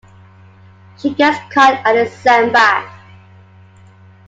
She gets caught and is sent back.